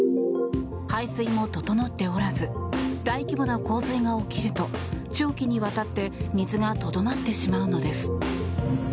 排水も整っておらず大規模な洪水が起きると長期にわたって水がとどまってしまうのです。